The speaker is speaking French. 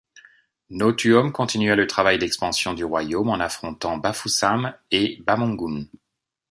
Notuom continua le travail d'expansion du royaume en affrontant Bafoussam et Bamougoum.